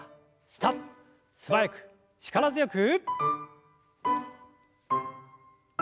素早く力強く。